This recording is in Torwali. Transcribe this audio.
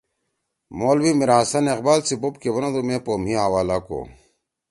مولوی میرحسن اقبال سی بوپ کے بنَدُو مے پو مھی حوالہ کو